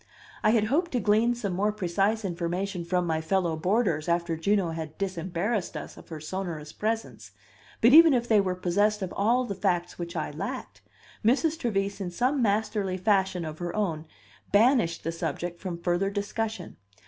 I had hoped to glean some more precise information from my fellow boarders after Juno had disembarrassed us of her sonorous presence; but even if they were possessed of all the facts which I lacked, Mrs. Trevise in some masterly fashion of her own banished the subject from further discussion.